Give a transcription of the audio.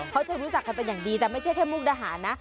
เขาจะรู้จักกันเป็นอย่างดีแต่ไม่ใช่แค่มุกดาหารนะ